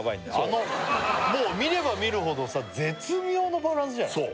あのもう見れば見るほどさ絶妙のバランスじゃない？